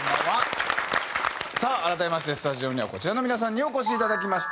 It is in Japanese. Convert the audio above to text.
さあ改めましてスタジオにはこちらの皆さんにお越しいただきました。